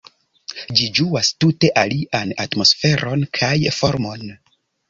Ĝi ĝuas tute alian atmosferon kaj formon.